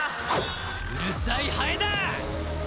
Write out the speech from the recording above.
うるさいハエだ！